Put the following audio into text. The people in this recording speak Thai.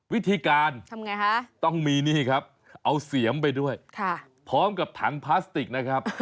วิธีการทำไงฮะต้องมีนี่ครับเอาเสียมไปด้วยพร้อมกับถังพลาสติกนะครับ